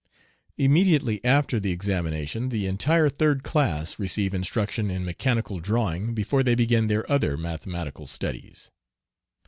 Immediately after the examination the entire third class receive instruction in mechanical drawing before they begin their other mathematical studies.